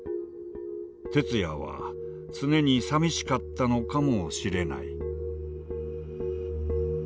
徹也は常に寂しかったのかもしれない。